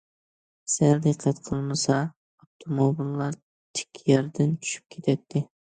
سەل دىققەت قىلمىسا، ئاپتوموبىللار تىك ياردىن چۈشۈپ كېتەتتى.